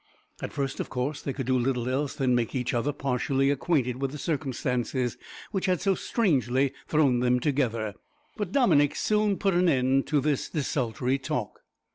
At first, of course, they could do little else than make each other partially acquainted with the circumstances which had so strangely thrown them together, but Dominick soon put an end to this desultory talk.